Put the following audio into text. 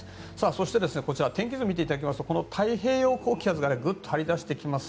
そしてこちら、天気図を見ていただきますとこの太平洋高気圧がグッと張り出してきます。